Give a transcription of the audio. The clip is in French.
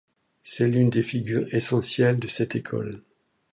C'est l'une des figures essentielles de cette école.